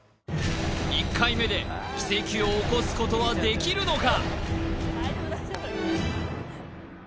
１回目で奇跡を起こすことはできるのか？